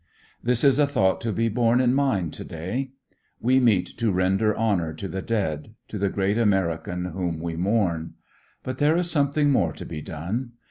This is a thought to be borne in mind to day. We meet to render honor to the dead, to the great American whom we mourn. But there is something more to be done.